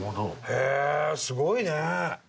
へえすごいね。